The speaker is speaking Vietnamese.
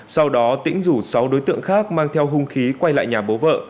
sau đó tỉnh rủ sáu đối tượng khác mang theo hung khí quay lại nhà bố vợ